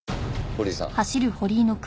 堀井さん！